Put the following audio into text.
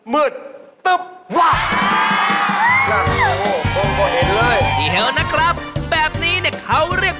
ไม่มีอะไรกิน